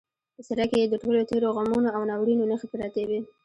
په څېره کې یې د ټولو تېرو غمونو او ناورینونو نښې پرتې وې